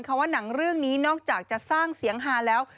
ว่าหนังเรื่องนี้นอกจากจะสร้างเสียงฮาแล้ว